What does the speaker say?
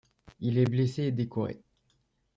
Il est blessé et décoré.